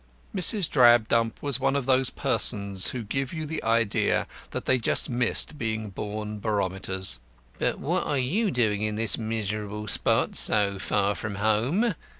Mrs. Drabdump was one of those persons who give you the idea that they just missed being born barometers. "But what are you doing in this miserable spot, so far from home?"